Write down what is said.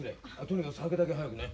とにかく酒だけ早くね。